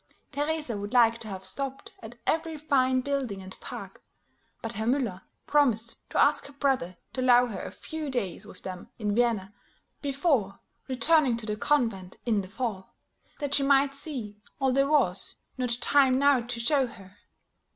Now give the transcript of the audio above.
Teresa would like to have stopped at every fine building and park, but Herr Müller promised to ask her brother to allow her a few days with them in Vienna before returning to the convent in the fall, that she might see all there was not time now to show her.